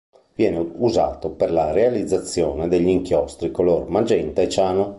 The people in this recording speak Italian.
Viene usato per la realizzazione degli inchiostri color magenta e ciano.